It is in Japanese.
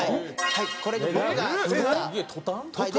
はい。